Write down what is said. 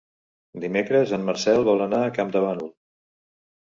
Dimecres en Marcel vol anar a Campdevànol.